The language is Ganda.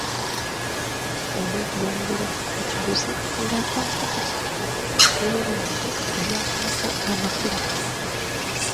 Ow’eggombolola Nakigozi nga akwasa Katikkiro w'ebyalo bya Kabaka amakula.